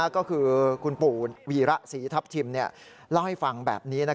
ก็คือคุณปู่วีระศรีทัพทิมเล่าให้ฟังแบบนี้